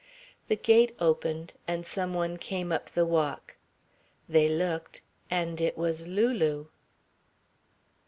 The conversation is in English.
The gate opened, and some one came up the walk. They looked, and it was Lulu.